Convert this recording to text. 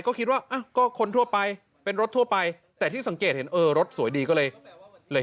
ก็คิดว่าก็คนทั่วไปเป็นรถทั่วไปแต่ที่สังเกตเห็นเออรถสวยดีก็เลยเลย